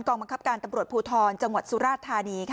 กองบังคับการย์กองบังคับตำรวจพูทรจังหวัดซุราชธานีค่ะ